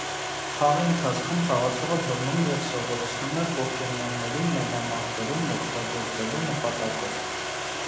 Խաղի ընթացքում խաղացողը բռնում և սովորեցնում է պոկեմոնների մենամարտերում օգտագործելու նպատակով։